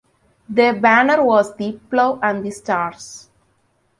Their banner was the "Plough and the Stars".